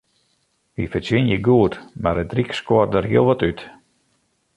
Wy fertsjinje goed, mar it ryk skuort der hiel wat út.